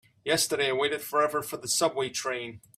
Yesterday I waited forever for the subway train.